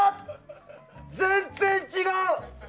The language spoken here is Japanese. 全然違う！